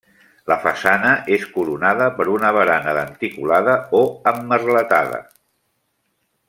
La façana és coronada per una barana denticulada o emmerletada.